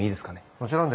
もちろんです。